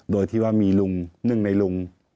โดยที่ว่ามีลุงหนึ่งในลุง